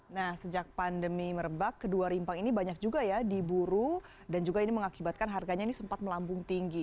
nah sejak pandemi merebak kedua rimpang ini banyak juga ya diburu dan juga ini mengakibatkan harganya ini sempat melambung tinggi